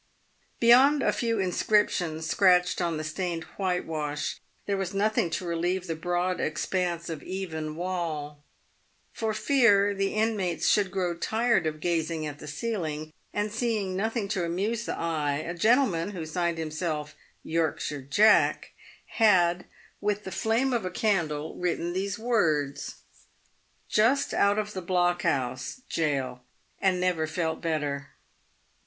Beyond a few inscriptions scratched on the stained whitewash, there was nothing to relieve the broad expanse of even wall. Por fear the inmates should grow tired of gazing at the ceiling, and see ing nothing to amuse the eye, a gentleman, who signed himself "Yorkshire Jack," had, with the flame of a candle, written these words :" Just out of the 'blockhouse' (gaol), and never felt better."